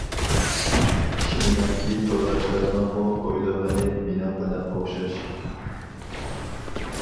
ئىشىنىمەنكى تورداشلارنىڭمۇ ئويلىغىنى مىنىڭ بىلەن ئوخشاش.